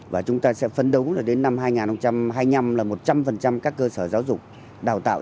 và chúng ta sẽ phấn đấu là đến năm hai nghìn hai mươi năm là một trăm linh các cơ sở giáo dục đào tạo